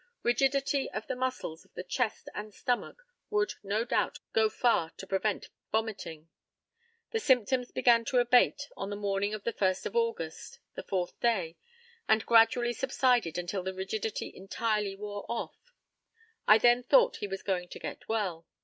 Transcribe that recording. Rigidity of the muscles of the chest and stomach would no doubt go far to prevent vomiting. The symptoms began to abate on the morning of the 1st of August (the fourth day), and gradually subsided until the rigidity entirely wore off. I then thought he was going to get well.